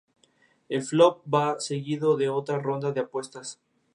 Los cristianos enviaron tropas, pero sufrieron una fuerte derrota.